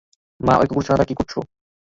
মা, ওই কুকুরছানাটা কী করছে?